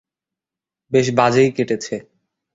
বেশ বাজেই কেটেছে।